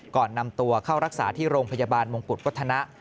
ก่อนนำตัวเข้ารักษาที่โรงพยาบาลมงกุฎวัฒนะ